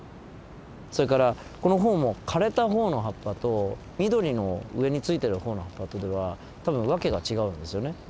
それからこのホオも枯れたホオの葉っぱと緑の上についてるホオの葉っぱとでは多分訳が違うんですよね。